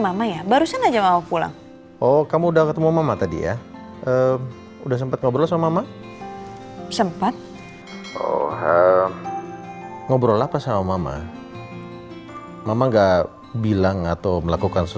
sampai jumpa di video selanjutnya